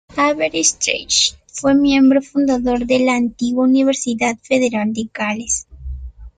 Aberystwyth fue miembro fundador de la antigua universidad federal de Gales.